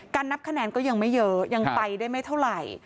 นับคะแนนก็ยังไม่เยอะยังไปได้ไม่เท่าไหร่